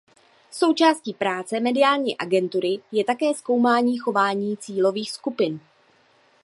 Součástí práce mediální agentury je také zkoumání chování cílových skupin.